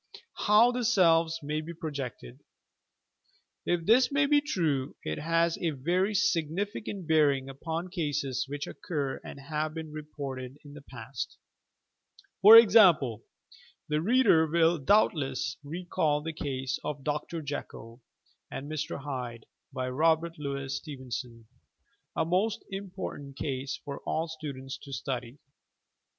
HOW THE SELVES MAT BE PROJECTED If this be true, it has a very significant bearing upon cases which occur and have been reported in the past. SELF PROJECTION 233 For example, the reader will doubtless recall the ease of "Dr. Jekyll and Mr. Hyde" by Robert Louis Steven Bon {a most important case for all students to study).